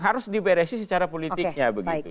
harus diberesin secara politiknya begitu